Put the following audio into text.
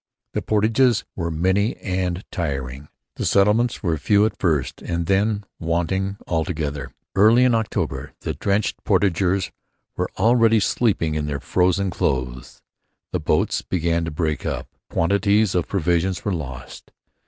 The portages were many and trying. The settlements were few at first and then wanting altogether. Early in October the drenched portagers were already sleeping in their frozen clothes. The boats began to break up. Quantities of provisions were lost.